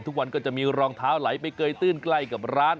ทุกวันก็จะมีรองเท้าไหลไปเกยตื้นใกล้กับร้าน